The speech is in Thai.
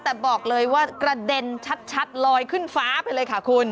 แต่บอกเลยว่ากระเด็นชัดลอยขึ้นฟ้าไปเลยค่ะคุณ